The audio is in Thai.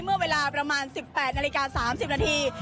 เมื่อเวลาประมาณ๑๘นาฬิกา๓๐นาที